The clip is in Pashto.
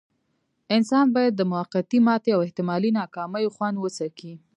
انسان بايد د موقتې ماتې او احتمالي ناکاميو خوند وڅکي.